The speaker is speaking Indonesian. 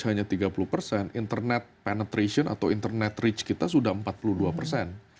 hanya tiga puluh persen internet penetration atau internet rich kita sudah empat puluh dua persen